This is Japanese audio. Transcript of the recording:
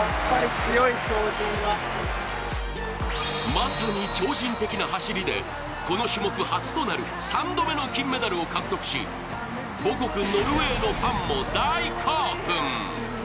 まさに超人的な走りでこの種目初となる３度目の金メダルを獲得し母国ノルウェーのファンも大興奮。